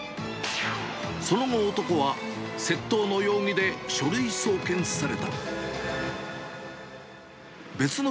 その後、男は窃盗の容疑で書類送検された。